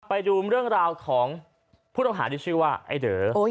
ไปดูเรื่องราวของผู้ต้องหาที่ชื่อว่าไอ้เด๋อ